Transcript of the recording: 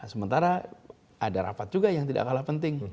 sementara ada rapat juga yang tidak kalah penting